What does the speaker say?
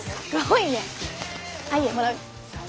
いいよもらう。